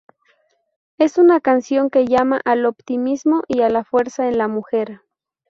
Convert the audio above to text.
Es una canción que llama al optimismo y a la fuerza en la mujer.